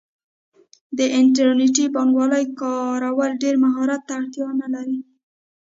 د انټرنیټي بانکوالۍ کارول ډیر مهارت ته اړتیا نه لري.